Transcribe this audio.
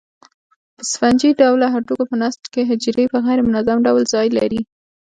په سفنجي ډوله هډوکو په نسج کې حجرې په غیر منظم ډول ځای لري.